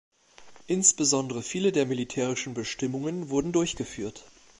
Insbesondere viele der militärischen Bestimmungen wurden durchgeführt.